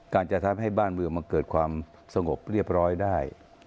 จะทำให้บ้านเมืองมันเกิดความสงบเรียบร้อยได้